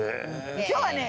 今日はね